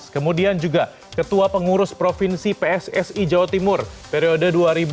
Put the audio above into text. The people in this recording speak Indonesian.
kemudian juga ketua pengurus provinsi pssi jawa timur periode dua ribu sebelas dua ribu dua belas